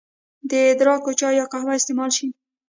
د ادرکو چای يا قهوه استعمال شي